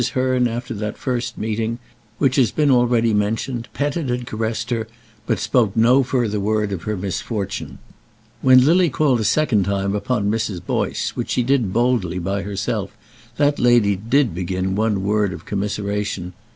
Hearn, after that first meeting which has been already mentioned, petted and caressed her, but spoke no further word of her misfortune. When Lily called a second time upon Mrs. Boyce, which she did boldly by herself, that lady did begin one other word of commiseration.